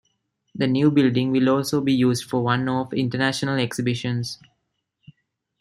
The new building will also be used for one-off international exhibitions.